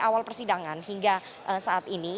awal persidangan hingga saat ini